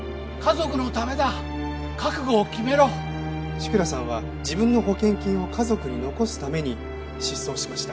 志倉さんは自分の保険金を家族に残すために失踪しました。